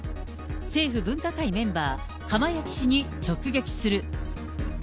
政府分科会メンバー、釜萢氏に直撃する。